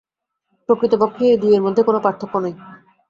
প্রকৃতপক্ষে এই দুই-এর মধ্যে কোন পার্থক্য নাই।